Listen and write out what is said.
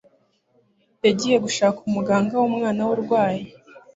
Yagiye gushaka umuganga wumwana we urwaye.